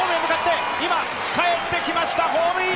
今、かえってきました、ホームイン！